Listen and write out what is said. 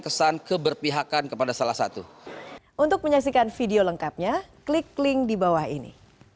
kesan keberpihakan kepada salah satu untuk menyaksikan video lengkapnya klik link di bawah ini